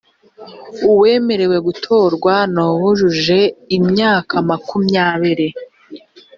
uwemerewe gutorwa nuwujuje imyaka makumyabiri.